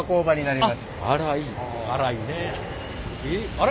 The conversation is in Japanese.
あれ？